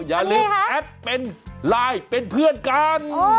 อย่าลืมแอดเป็นไลน์เป็นเพื่อนกัน